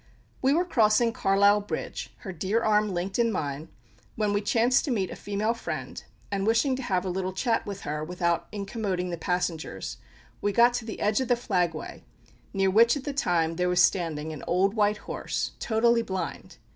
We were crossing Carlisle bridge, her dear arm linked in mine, when we chanced to meet a female friend; and wishing to have a little chat with her without incommoding the passengers, we got to the edge of the flag way, near which at the time there was standing an old white horse, totally blind.